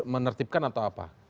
menertibkan atau apa